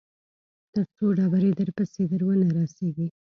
تر څو ډبرې درپسې در ونه رسېږي.